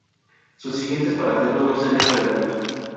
Sus siguientes paraderos no serían revelados.